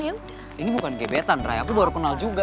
ini bukan gebetan raya aku baru kenal juga